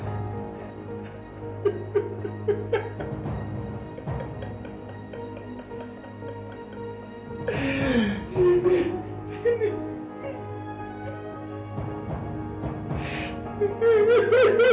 aku akan membakar kalian semua